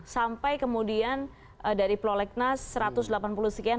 sampai kemudian dari prolegnas satu ratus delapan puluh sekian